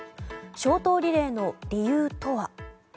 消灯リレーの理由とは。